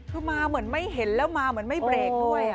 คือมาเหมือนไม่เห็นแล้วมาเหมือนไม่เบรกด้วย